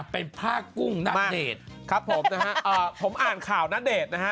เป็นผ้ากุ้งณเดชน์ครับผมนะฮะผมอ่านข่าวณเดชน์นะฮะ